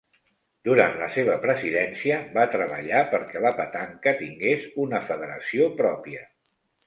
Durant la seva presidència, va treballar perquè la petanca tingués una federació pròpia.